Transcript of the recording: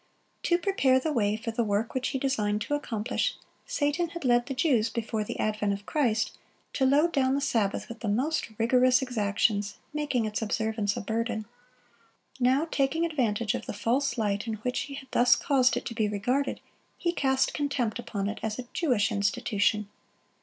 To prepare the way for the work which he designed to accomplish, Satan had led the Jews, before the advent of Christ, to load down the Sabbath with the most rigorous exactions, making its observance a burden. Now, taking advantage of the false light in which he had thus caused it to be regarded, he cast contempt upon it as a Jewish institution.